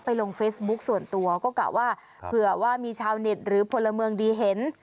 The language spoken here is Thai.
ลงเฟซบุ๊คส่วนตัวก็กะว่าเผื่อว่ามีชาวเน็ตหรือพลเมืองดีเห็น